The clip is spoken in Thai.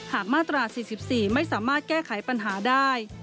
มาตรา๔๔ไม่สามารถแก้ไขปัญหาได้